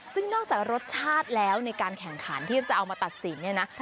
ซึ่งนอกจากรสชาติแล้วในการแข่งขันที่จะเอามาตัดสินเนี่ยนะ